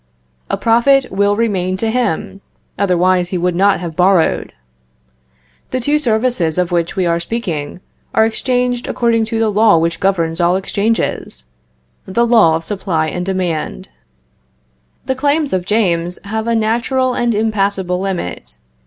A profit will remain to him, otherwise he would not have borrowed. The two services of which we are speaking are exchanged according to the law which governs all exchanges, the law of supply and demand. The claims of James have a natural and impassable limit.